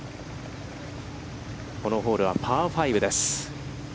このホールは、パー５です。